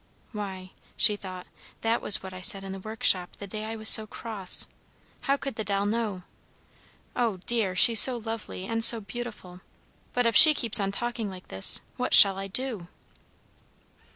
"Why," she thought, "that was what I said in the workshop the day I was so cross. How could the doll know? Oh, dear! she's so lovely and so beautiful, but if she keeps on talking like this, what shall I do?"